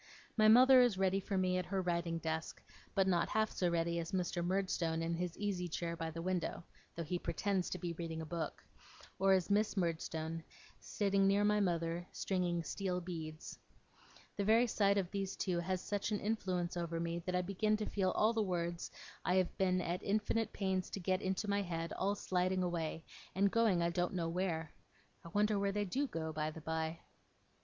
My mother is ready for me at her writing desk, but not half so ready as Mr. Murdstone in his easy chair by the window (though he pretends to be reading a book), or as Miss Murdstone, sitting near my mother stringing steel beads. The very sight of these two has such an influence over me, that I begin to feel the words I have been at infinite pains to get into my head, all sliding away, and going I don't know where. I wonder where they do go, by the by?